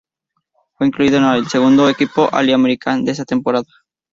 Fue incluido en el segundo equipo All-American de esa temporada.